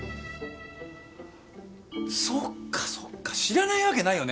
そっかそっか知らないわけないよね。